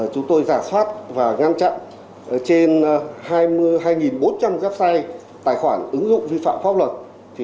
chúng tôi giả soát và ngăn chặn trên hai bốn trăm linh website tài khoản ứng dụng vi phạm pháp luật